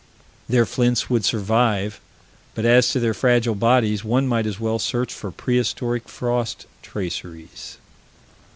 Their flints would survive, but, as to their fragile bodies one might as well search for prehistoric frost traceries.